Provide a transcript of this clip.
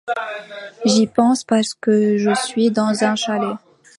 J'y pense parce que je suis dans un chalet.